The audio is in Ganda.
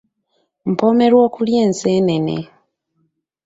Mpoomerwa okulya enseenene.